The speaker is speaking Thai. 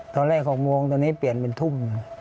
ตอนแรก๖โมงตอนนี้เปลี่ยนเป็นทุ่ม